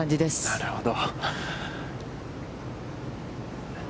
なるほど。